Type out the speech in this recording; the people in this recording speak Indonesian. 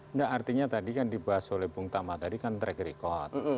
enggak artinya tadi kan dibahas oleh bung tama tadi kan track record